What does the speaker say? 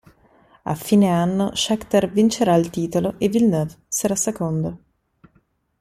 A fine anno Scheckter vincerà il titolo e Villeneuve sarà secondo.